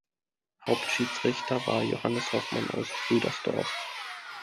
Hauptschiedsrichter war Johannes Hoffmann aus Rüdersdorf.